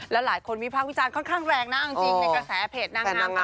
แล้วหลายคนมีภาควิจารณ์ค่อนข้างแรงนะจริงในกระแสเพจนางามต่างเนี่ย